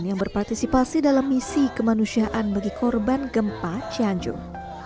yang berpartisipasi dalam misi kemanusiaan bagi korban gempa cianjung